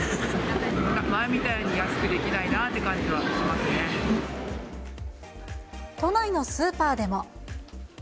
前みたいに安くできないなっ都内のスーパーでも。